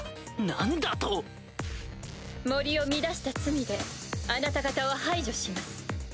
何だと⁉森を乱した罪であなた方を排除します。